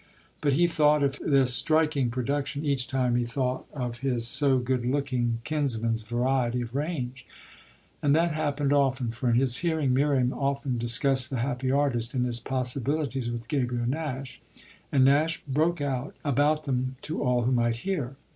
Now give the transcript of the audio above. But he thought of this striking production each time he thought of his so good looking kinsman's variety of range. And that happened often, for in his hearing Miriam often discussed the happy artist and his possibilities with Gabriel Nash, and Nash broke out about them to all who might hear.